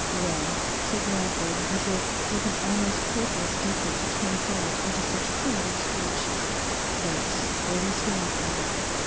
'Well,' said Lawford, as if with an almost hopeless effort to turn thought into such primitive speech, 'that's where we stand, then.